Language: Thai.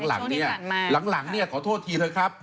หลังเนี้ยขอโทษทีเถอะครับ